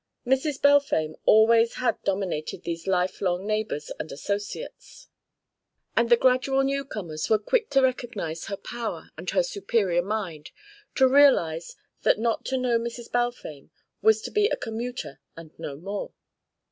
Mrs. Balfame always had dominated these life long neighbours and associates, and the gradual newcomers were quick to recognise her power and her superior mind; to realise that not to know Mrs. Balfame was to be a commuter and no more.